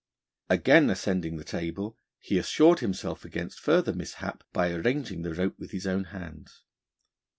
Again ascending the table, he assured himself against further mishap by arranging the rope with his own hands.